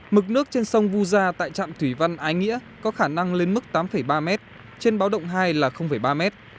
mực nước trên sông vu gia tại trạm thủy văn ái nghĩa có khả năng lên mức tám ba m trên báo động hai là ba mét